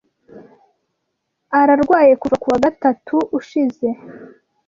Ararwaye kuva ku wa gatatu ushize.